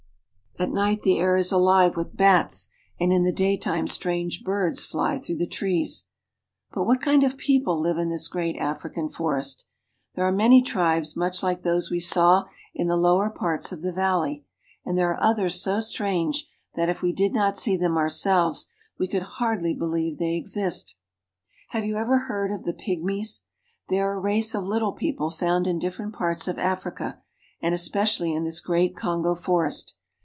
At night the air is ahve with bats and in the daytime strange birds fly through the trees. ■^ But what kind of people live in this great African forest? There are many tribes much like those we saw in the lower parts of the valley ; and there are others so strange that if we did not see them ourselves we could hardly believe they exist. Have you ever heard of the pyg mies .' They are a race of little peo ple found in different parts of Africa, and especially in this great Kongo forest.